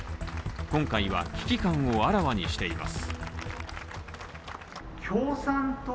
今回は危機感をあらわにしています。